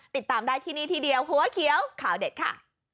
ติดตามได้ที่นี่ทีเดียวหัวเขียวข่าวเด็ดค่ะ